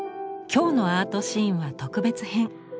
今日の「アートシーン」は特別編。